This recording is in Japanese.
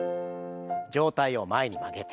上体を前に曲げて。